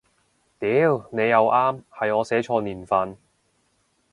屌你又啱，係我寫錯年份